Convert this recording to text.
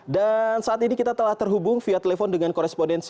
dan saat ini kita telah terhubung via telepon dengan korespondensi